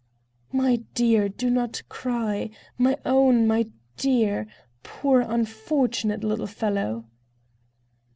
"My dear, do not cry! My own! my dear! Poor, unfortunate little fellow!"